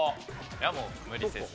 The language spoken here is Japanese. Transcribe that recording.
いやもう無理せず。